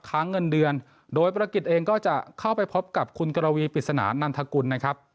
ค้างเงินเดือนโดยภารกิจเองก็จะเข้าไปพบกับคุณกรวีปริศนานันทกุลนะครับ